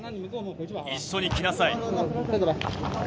一緒に来なさい。